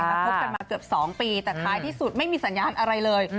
แล้วคบกันมาเกือบ๒ปีแต่ท้ายที่สุดไม่มีสัญญาณอะไรเลย